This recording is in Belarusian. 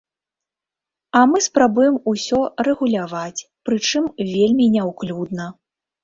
А мы спрабуем усё рэгуляваць, прычым вельмі няўклюдна.